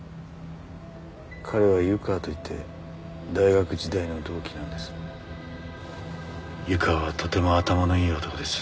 彼は湯川といって大学時代の同期なんです湯川はとても頭のいい男です